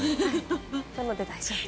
なので、大丈夫です。